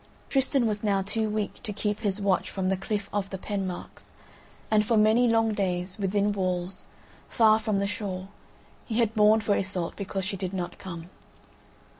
Tristan was now too weak to keep his watch from the cliff of the Penmarks, and for many long days, within walls, far from the shore, he had mourned for Iseult because she did not come.